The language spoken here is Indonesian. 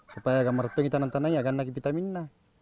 supaya tidak terlalu banyak vitamin